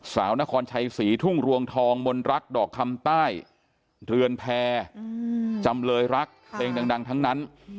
สาวนครชัยศรีทุ่งรวงทองมนรักดอกคำใต้เรือนแพรจำเลยรักเพลงดังทั้งนั้น